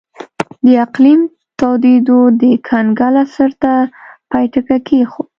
د اقلیم تودېدو د کنګل عصر ته پای ټکی کېښود.